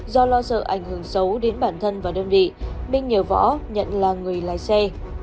do lo sợ ảnh hưởng xấu đến bản thân và đơn vị minh nhờ võ nhận là người lái xe